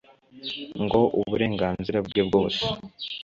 ngo uburenganzira bwe bwose.